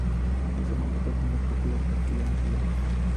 En su manto aparecen esculpidos castillos y leones.